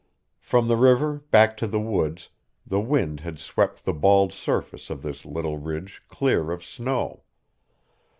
From the river back to the woods the wind had swept the bald surface of this little ridge clear of snow.